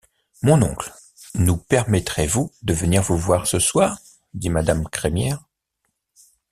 Mon oncle, nous permettrez-vous de venir vous voir ce soir? dit madame Crémière.